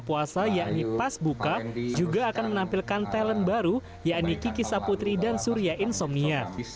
puasa yakni pas buka juga akan menampilkan talent baru yakni kiki saputri dan surya insomnia